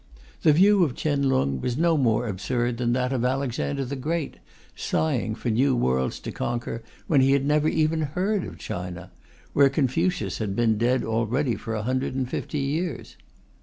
The view of Chien Lung was no more absurd than that of Alexander the Great, sighing for new worlds to conquer when he had never even heard of China, where Confucius had been dead already for a hundred and fifty years.